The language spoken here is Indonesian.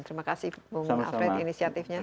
terima kasih bung alfred inisiatifnya